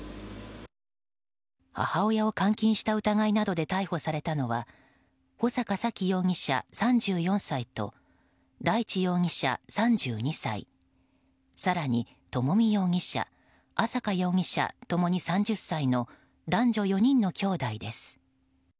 母親を監禁した疑いなどで逮捕されたのは穂坂沙喜容疑者、３４歳と大地容疑者、３２歳更に、朝美容疑者朝華容疑者共に３０歳の男女４人のきょうだいです。